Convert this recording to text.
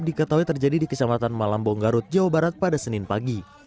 diketahui terjadi di kecamatan malambong garut jawa barat pada senin pagi